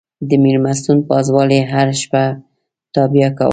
د مېلمستون پازوالې هره شپه تابیا کوله.